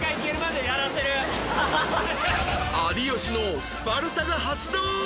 ［有吉のスパルタが発動！］